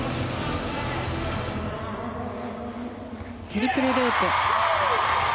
トリプルループ。